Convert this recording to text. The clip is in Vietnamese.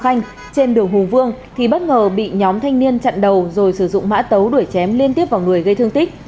phạm văn sang và bảo khanh trên đường hùng vương thì bất ngờ bị nhóm thanh niên chặn đầu rồi sử dụng mã tấu đuổi chém liên tiếp vào người gây thương tích